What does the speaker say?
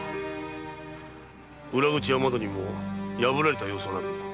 裏口雨戸にも破られた様子はない。